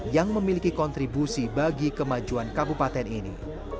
yang memiliki kontribusi bagi kemajuan kabupaten ini